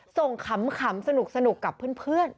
ขำสนุกกับเพื่อน